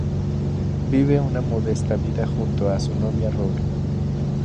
Vive una modesta vida junto a su novia Robin.